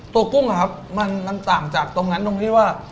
ตัวกุ้งมันต่างจากตรงนั้นตรงที่ว่า